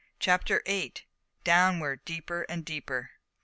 CHAPTER EIGHT. DOWNWARD DEEPER AND DEEPER.